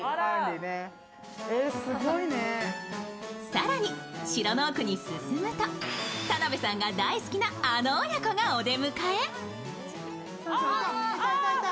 更に城の奥に進むと田辺さんが大好きなあの親子がお出迎え。